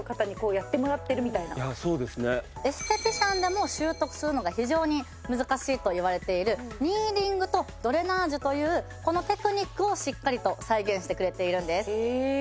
エステティシャンでも習得するのが非常に難しいといわれているニーディングとドレナージュというこのテクニックをしっかりと再現してくれているんです。